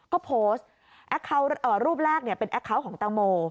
ก็โพสต์รูปแรกเป็นแอคคาวต์ของตังโม